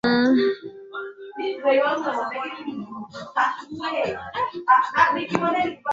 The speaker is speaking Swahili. wapatao elfu tano mawakalaJohn anaweza kuitwa mwana kujitoa Baba yake alifariki akiwa na